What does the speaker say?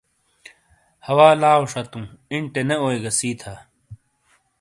ہوا لاؤ شاتُوں اِینٹےنے اوئی گہ سی تھا۔